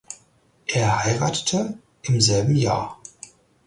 Er heiratete im selben Jahr.